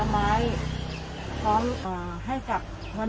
ไม่ว่า